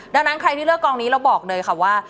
ดังนั้นใครที่เลือกกองนี้เราบอกเลยค่ะว่า